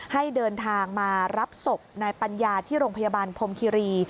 ให้เดินทางมารับศพนายปัญญาที่โรงพยาบาลพรมคิรี